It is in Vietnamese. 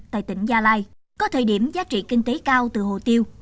tại tỉnh gia lai có thời điểm giá trị kinh tế cao từ hồ tiêu